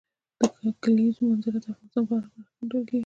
د کلیزو منظره د افغانستان په هره برخه کې موندل کېږي.